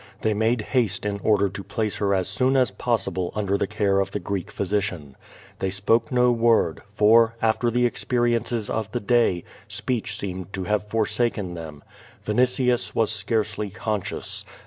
They made haste in order to place her as soon as possible under the care of the Greek physician. They spoke no word, for, after the experiences of the day, speech seemed to have forsaken them. Vinitini) was scarcely conscious.